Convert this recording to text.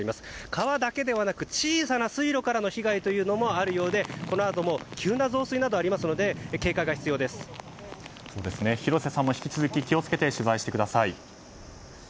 川だけではなく小さな水路からの被害というのもあるようでこのあとも急な増水などがありますので広瀬さん、引き続き気をつけて取材してください。